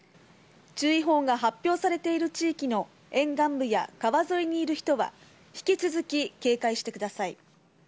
注意報が発表されている地域の沿岸部や川沿いにいる人は、引き続き警戒してください。